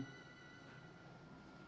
dokter anas dan sarjana hukum